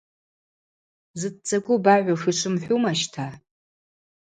Зытдзагвы багӏвуш, йшвымхӏвума щта.